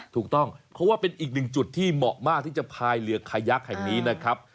ถูกต้องเพราะว่าเป็นอีกหนึ่งจุดที่เหมาะมากที่จะพายเรือขยักแห่งนี้นะครับ